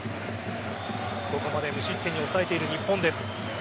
ここまで無失点に抑えている日本です。